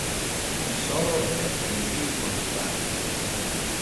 Mi soror es gentil con infantes.